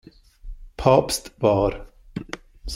Papst war.